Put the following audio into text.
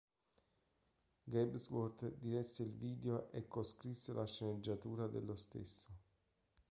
Gabe Swarr diresse il video e co-scrisse la sceneggiatura dello stesso.